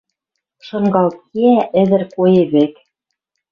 Шынгалт кеӓ ӹдӹр коэ вӹк...